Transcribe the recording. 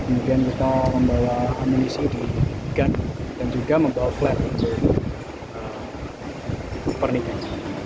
kemudian kita membawa amunisi di gun dan juga membawa flat pernikahan